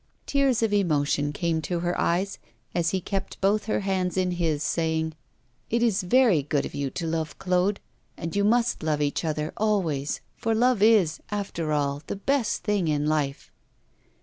Tears of emotion came to her eyes as he kept both her hands in his, saying: 'It is very good of you to love Claude, and you must love each other always, for love is, after all, the best thing in life.